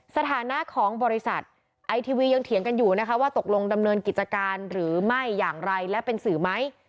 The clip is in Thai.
สถานะของบริษัทไอทีวียังเถียงกันอยู่นะคะว่าตกลงดำเนินกิจการหรือไม่อย่างไรและเป็นสื่อไหม